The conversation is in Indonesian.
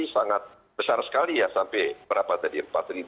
sangat besar sekali ya sampai berapa tadi